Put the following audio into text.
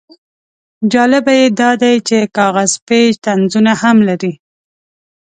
جالبه یې دا دی چې کاغذ پیچ طنزونه هم لري.